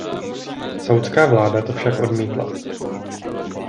Saúdská vláda to však odmítla.